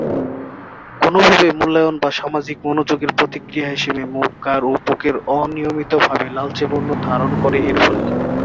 কোনোভাবে মূল্যায়ন বা সামাজিক মনোযোগের প্রতিক্রিয়া হিসাবে মুখ, ঘাড় এবং বুকের অনিয়মিতভাবে লালচে বর্ণ ধারণ করে এর ফলে।